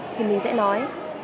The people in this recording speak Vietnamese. thì mình sẽ nói